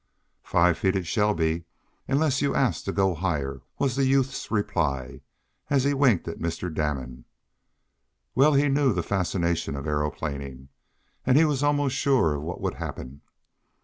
"Five feet it shall be, unless you yourself ask to go higher," was the youth's reply, as he winked at Mr. Damon. Well he knew the fascination of aeroplaning, and he was almost sure of what would happen.